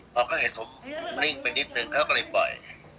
พอเขาเห็นผมนิ่งไปนิดนึงเขาก็เลยปล่อย